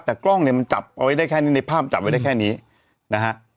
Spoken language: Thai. แต่กล้องมันจับไว้ได้แค่แน่นี้ภาพมันจับเค้าไว้ได้แค่นี้นะฮะ